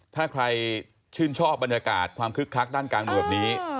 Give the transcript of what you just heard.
ถ้าใครชื่นชอบบรรยากาศความคึกคักด้านกลางเมืองแบบนี้